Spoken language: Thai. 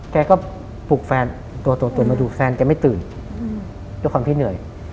แกก็ปลุกแฟนตัวตื่นมาดูแฟนแกไม่ตื่นด้วยความที่เหนื่อย